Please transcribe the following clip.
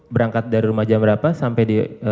berangkat dari rumah jam berapa sampai di